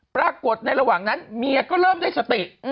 ปรากฏในระหว่างนั้นเมียก็เริ่มได้สติ